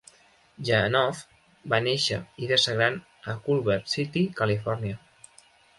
Janoff va néixer i fer-se gran a Culver City, Califòrnia.